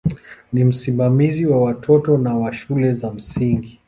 Ni msimamizi wa watoto na wa shule za msingi.